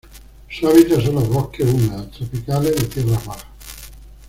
Su hábitat son los bosques húmedos tropicales de tierras bajas.